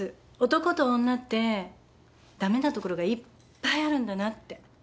男と女って駄目なところがいっぱいあるんだなって。